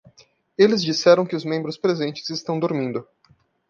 Eles disseram que os membros presentes estão dormindo.